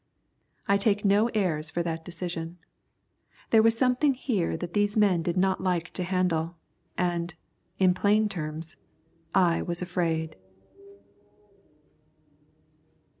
I take no airs for that decision. There was something here that these men did not like to handle, and, in plain terms, I was afraid.